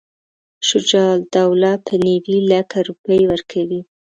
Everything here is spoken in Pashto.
شجاع الدوله به نیوي لکه روپۍ ورکوي.